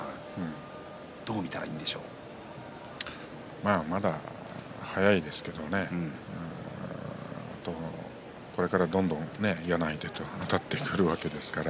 いや、まだ早いですけれどこれからどんどん嫌な相手とあたってくるわけですから。